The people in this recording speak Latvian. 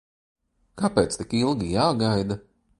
K?p?c tik ilgi j?gaida?